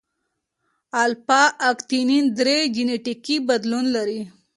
الفا اکتینین درې جینیټیکي بدلون لري.